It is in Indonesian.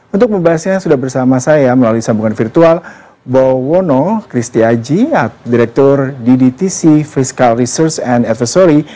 untuk pembahasannya sudah bersama saya melalui sambungan virtual bowo wono kristi aji direktur ddtc fiscal research and advisory